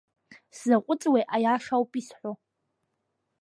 Сзаҟәыҵуеи, аиаша ауп исҳәо.